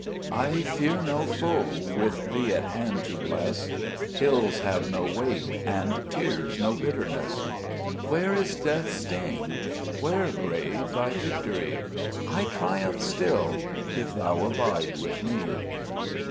4 I fear no foe, with Thee at hand to bless : Ills have no weight, and tears no bitter ness. Where is death's sting ? where, grave, thy victory ? I triumph still, if Thou abide with me.